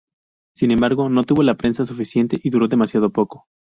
Sin embargo, no tuvo la prensa suficiente y duró demasiado poco.